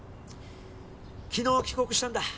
昨日帰国したんだ。